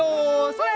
それ！